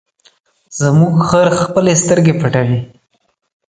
زموږ خر خپلې سترګې پټوي.